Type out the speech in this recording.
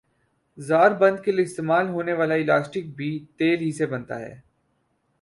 زار بند کیلئے استعمال ہونے والا الاسٹک بھی تیل ہی سے بنتا ھے